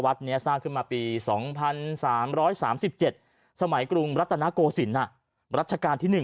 นี้สร้างขึ้นมาปี๒๓๓๗สมัยกรุงรัตนโกศิลป์รัชกาลที่๑